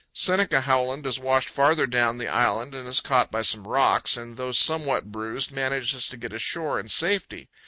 Seneca Howland is washed farther down the island and is caught by some rocks, and, though somewhat bruised, manages to get ashore in safety.